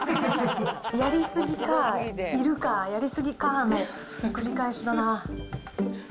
やり過ぎかー、いるか、やり過ぎかーの繰り返しだな。